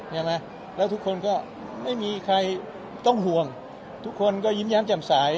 ใช่ไหมแล้วทุกคนก็ไม่มีใครต้องห่วงทุกคนก็ยิ้มแย้มแจ่มใส